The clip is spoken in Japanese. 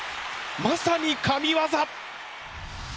まさに神業！